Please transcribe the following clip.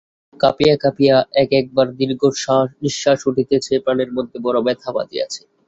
তাহার বুক কাঁপিয়া কাঁপিয়া এক-একবার দীর্ঘনিশ্বাস উঠিতেছে– প্রাণের মধ্যে বড়ো ব্যথা বাজিয়াছে।